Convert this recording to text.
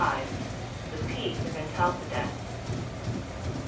LXXV. THE PEACE OF ANTALCIDAS.